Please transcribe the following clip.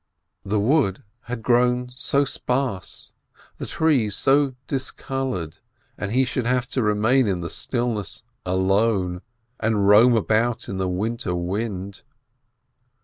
The wood had grown so sparse, the trees so dis colored, and he should have to remain in the stillness alone, and roam about in the winter wind